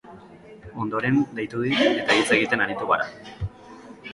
Ondoren, deitu dit, eta hitz egiten aritu gara.